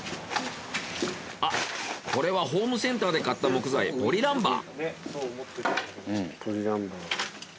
あっこれはホームセンターで買った木材ポリランバー。